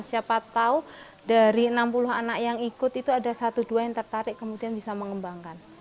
siapa tahu dari enam puluh anak yang ikut itu ada satu dua yang tertarik kemudian bisa mengembangkan